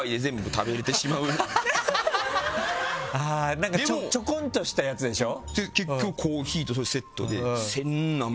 なんかちょこんとしたやつでしょ？